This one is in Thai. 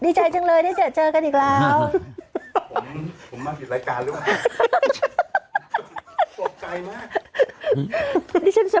ดีใจจังเลยได้เจอเจอกันอีกแล้ว